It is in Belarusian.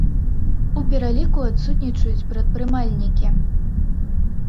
У пераліку адсутнічаюць прадпрымальнікі.